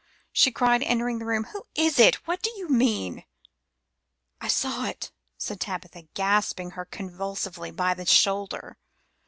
she cried, entering the room. "Who is it? What do you mean?" "I saw it," said Tabitha, grasping her convulsively by the shoulder.